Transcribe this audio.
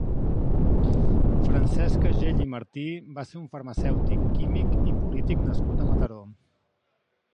Francesc Agell i Martí va ser un farmacèutic, químic i polític nascut a Mataró.